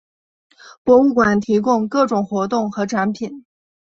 博物馆提供各种活动和展品。